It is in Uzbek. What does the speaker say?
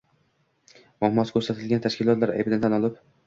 Muammosi ko‘rsatilgan tashkilotlar aybini tan olib